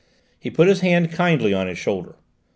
He put his hand kindly on his shoulder.